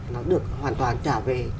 nó được hoàn toàn trả về